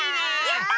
やった！